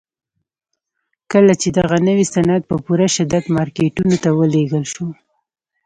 کله چې دغه نوي صنعت په پوره شدت مارکيټونو ته ولېږل شو.